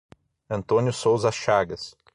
Antônio Souza Chagas